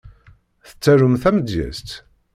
Tettarum tamedyezt?